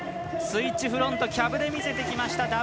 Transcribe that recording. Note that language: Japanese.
スイッチフロントキャブで見せてきました。